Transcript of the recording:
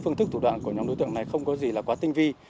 phương thức thủ đoạn của nhóm đối tượng này không có gì là quá tinh vi